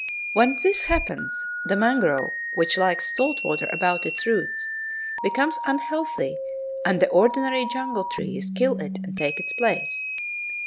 When this happens, the mangrove, which likes salt water about its roots, becomes unhealthy and the ordinary jungle trees kill it and take its place.